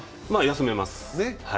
休めます。